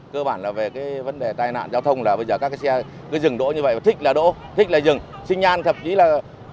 cơ bản là về cái vấn đề tai nạn giao thông là bây giờ các cái xe cứ dừng đỗ như vậy mà thích là đỗ thích là dừng sinh nhan thậm chí là